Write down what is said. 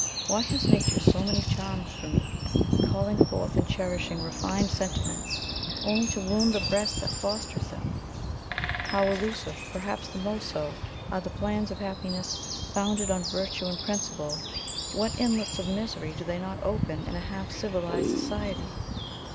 Why has nature so many charms for me calling forth and cherishing refined sentiments, only to wound the breast that fosters them? How illusive, perhaps the most so, are the plans of happiness founded on virtue and principle; what inlets of misery do they not open in a half civilised society?